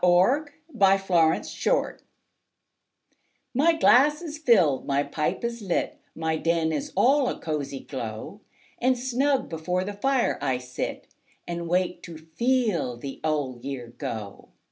The Passing of the Year My glass is filled, my pipe is lit, My den is all a cosy glow; And snug before the fire I sit, And wait to FEEL the old year go.